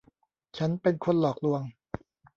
ฉันเป็นคนหลอกลวง